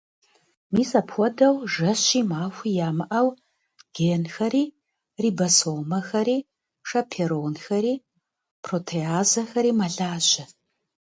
Мис апхуэдэу жэщи махуи ямыӏэу генхэри, рибосомэхэри, шэперонхэри, протеазэхэри мэлажьэ.